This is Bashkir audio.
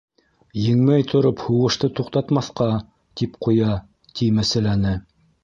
Еңмәй тороп һуғышты туҡтатмаҫҡа, тип ҡуя, ти, мәсьәләне.